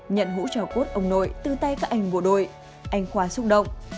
nhận hũ cho cốt ông nội từ tay các anh vũ đội anh khoa xúc động